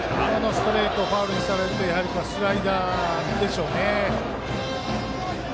ストレートファウルにされてあとはスライダーでしょうね。